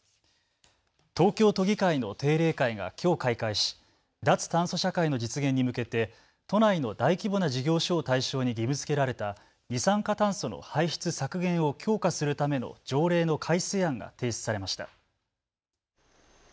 東京都議会の定例会がきょう開会し脱炭素社会の実現に向けて都内の大規模な事業所を対象に義務づけられた二酸化炭素の排出削減を強化するための条例の改正案が提出されました。